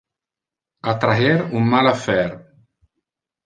Attraher un mal affaire.